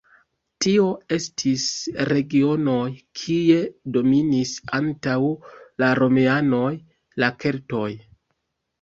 Tio estis regionoj kie dominis antaŭ la romianoj la keltoj.